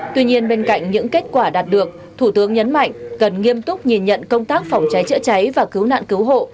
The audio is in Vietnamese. tuy nhiên bên cạnh những kết quả đạt được thủ tướng nhấn mạnh cần nghiêm túc nhìn nhận công tác phòng cháy chữa cháy và cứu nạn cứu hộ